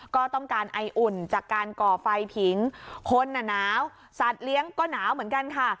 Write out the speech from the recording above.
ก็ต้องการไออุ่นจากการก่อไฟผิงคนน่ะหนาวสัตว์เลี้ยงก็หนาวเหมือนกันค่ะ